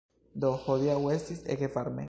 Do, hodiaŭ estis ege varme